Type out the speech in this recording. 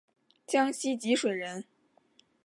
江西吉水人。